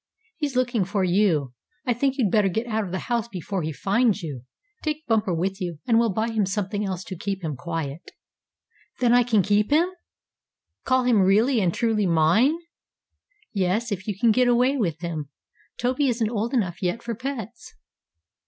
"He's looking for you. I think you'd better get out of the house before he finds you. Take Bumper with you, and we'll buy him something else to keep him quiet." "Then I can keep him? call him really and truly mine?" "Yes, if you can get away with him. Toby isn't old enough yet for pets."